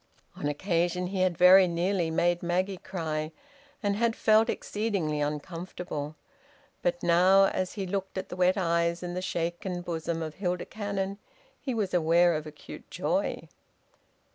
On occasion he had very nearly made Maggie cry, and had felt exceedingly uncomfortable. But now, as he looked at the wet eyes and the shaken bosom of Hilda Cannon, he was aware of acute joy.